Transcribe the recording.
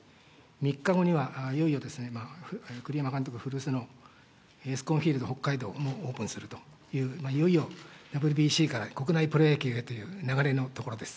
３日後にはいよいよですね、栗山監督古巣のエスコンフィールド北海道もオープンするという、いよいよＷＢＣから国内プロ野球へという流れのところです。